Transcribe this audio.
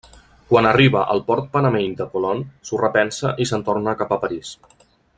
Quan arriba al port panameny de Colón s'ho repensa i se'n torna cap a París.